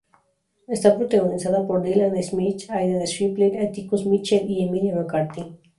Está protagonizada por Dylan Schmid, Aidan Shipley, Atticus Mitchell y Emilia McCarthy.